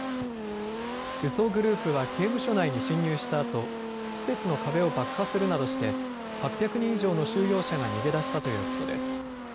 武装グループは刑務所内に侵入したあと施設の壁を爆破するなどして８００人以上の収容者が逃げ出したということです。